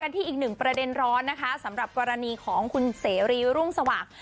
ที่อีกหนึ่งประเด็นร้อนนะคะสำหรับกรณีของคุณเสรีรุ่งสว่าง